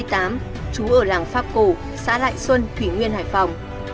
trú ở làng pháp cổ xã lại xuân thủy nguyên hải phòng